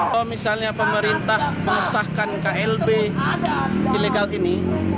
kalau misalnya pemerintah mengesahkan klb ilegal ini